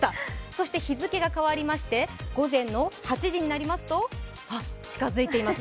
そして日付が変わりまして、午前の８時になりますと、近づいています